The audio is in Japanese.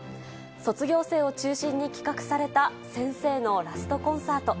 卒業生を中心に企画された、先生のラストコンサート。